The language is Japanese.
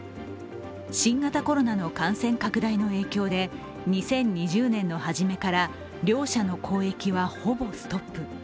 新型コロナの感染拡大の影響で２０２０年のはじめから両者の交易はほぼストップ。